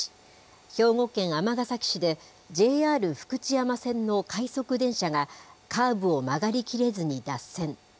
兵庫県尼崎市で、ＪＲ福知山線の快速電車が、カーブを曲がり切れずに脱線。